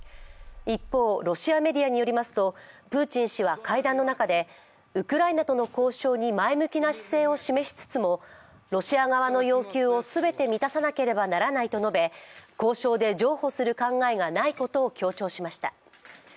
一方、ロシアメディアによりますとプーチン氏は会談の中でウクライナとの交渉に前向きな姿勢を示しつつも、ロシア側の要求を全て満たさなければならないと述べ交渉で譲歩する考えがないことを強調しました。